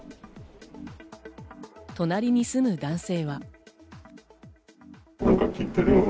隣に住む男性は。